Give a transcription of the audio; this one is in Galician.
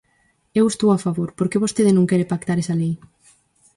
Eu estou a favor, ¿por que vostede non quere pactar esa lei?